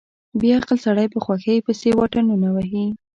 بې عقل سړی په خوښۍ پسې واټنونه وهي.